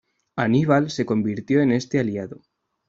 Aníbal se convirtió en este aliado.